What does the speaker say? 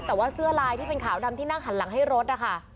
แต่ว่าเสื้อลายที่เป็นขาวดำที่นั่งหันหลังให้รถนะคะ